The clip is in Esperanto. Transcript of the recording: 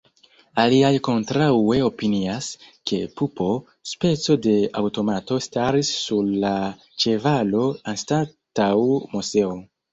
Aliaj kontraŭe opinias, ke pupo, speco de aŭtomato staris sur la ĉevalo anstataŭ Moseo.